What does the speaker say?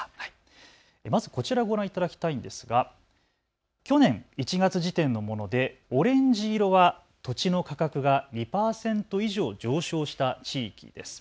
まずこちらご覧いただきたいんですが去年１月時点のものでオレンジ色は土地の価格が２％以上上昇した地域です。